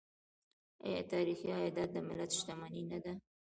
آیا تاریخي ابدات د ملت شتمني نه ده؟